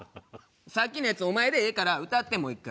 さっきのやつお前でええから歌ってもう１回。